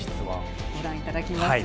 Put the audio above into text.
ご覧いただきますよ。